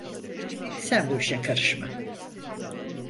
Sen bu işe karışma!